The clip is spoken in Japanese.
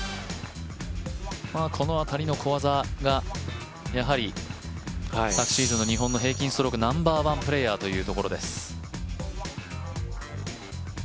この小技がやはり、昨シーズンの日本の平均ストロークナンバーワンプレーヤーというところです。